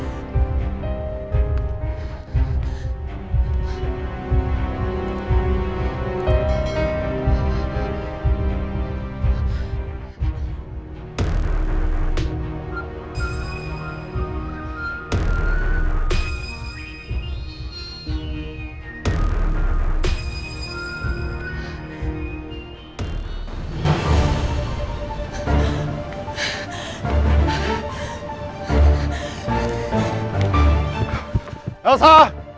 tidak tidak bisa